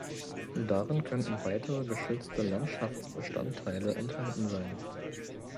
Darin könnten weitere geschützte Landschaftsbestandteile enthalten sein.